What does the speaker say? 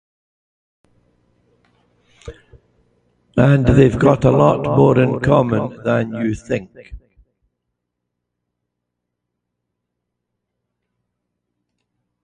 And they've got a lot more in common than you think.